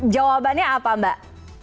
jawabannya apa mbak